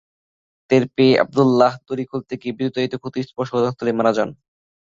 টের পেয়ে আবদুল্যাহ দড়ি খুলতে গিয়ে বিদ্যুতায়িত খুঁটির স্পর্শে ঘটনাস্থলেই মারা যান।